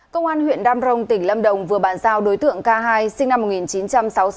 công an huyện đam rồng tỉnh lâm đồng vừa bàn giao đối tượng k hai sinh năm một nghìn chín trăm sáu mươi sáu